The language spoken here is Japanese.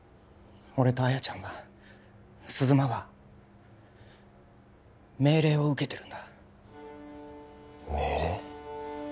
俺と亜矢ちゃんは鈴間は命令を受けてるんだ命令？